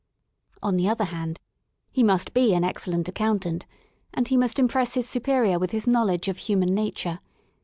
On the other hand he must be an excellent accountant, and he must impress his superior with his knowledge of human nature.